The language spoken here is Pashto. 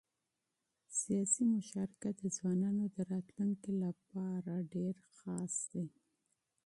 سیاسي مشارکت د ځوانانو د راتلونکي لپاره مهم دی